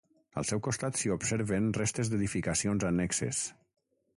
Al seu costat s'hi observen restes d'edificacions annexes.